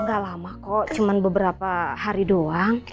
gak lama kok cuma beberapa hari doang